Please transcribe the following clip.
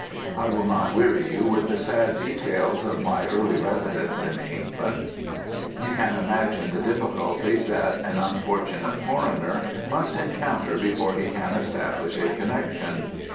I will not weary you with the sad details of my early residence in England; you can imagine the difficulties that an unfortunate foreigner must encounter before he can establish a connexion.